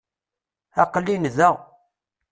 Aqel-in da.